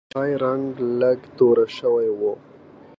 د چای رنګ لږ توره شوی و.